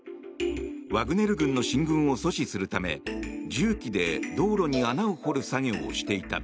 ワグネル軍の進軍を阻止するため重機で道路に穴を掘る作業をしていた。